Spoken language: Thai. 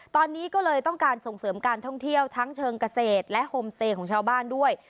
ตอนนี้ก็เลยต้องการส่งเสริมการท่องเที่ยวทั้งเชิงเกษตรและโฮมเซของชาวบ้านด้วย